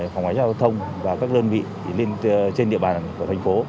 phòng hóa giao thông và các đơn vị lên trên địa bàn của thành phố